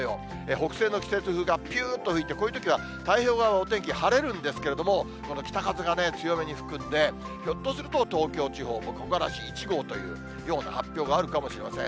北西の季節風がぴゅーっと吹いて、こういうときは、太平洋側のお天気、晴れるんですけれども、北風が強めに吹くんで、ひょっとすると、東京地方も木枯らし１号というような発表があるかもしれません。